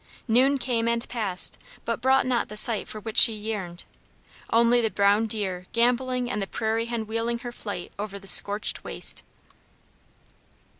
Noon came and passed but brought not the sight for which she yearned: only the brown deer gamboling and the prairie hen wheeling her flight over the scorched waste!